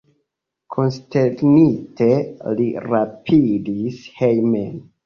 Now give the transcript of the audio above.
Konsternite li rapidis hejmen.